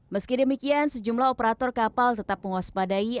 meski demikian sejumlah operator kapal tetap mewaspadai